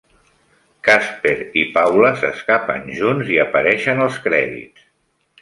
Casper i Paula s'escapen junts i apareixen els crèdits.